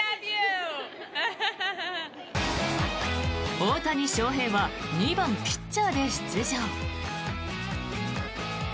大谷翔平は２番ピッチャーで出場。